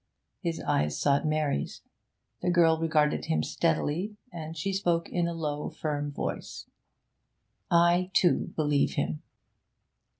His eyes sought Mary's. The girl regarded him steadily, and she spoke in a low firm voice 'I, too, believe him.'